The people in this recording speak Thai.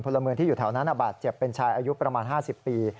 ละเมืองที่อยู่แถวนั้นบาดเจ็บเป็นชายอายุประมาณ๕๐ปี